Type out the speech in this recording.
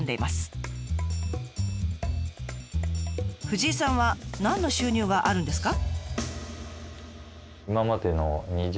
藤井さんは何の収入があるんですか？